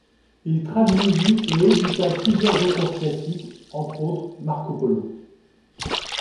Il traduisit et édita plusieurs auteurs classiques, entre autres Marco Polo.